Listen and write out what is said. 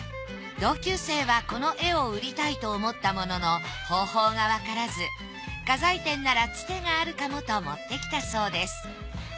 同級生はこの絵を売りたいと思ったものの方法がわからず画材店ならつてがあるかもと持ってきたそうです。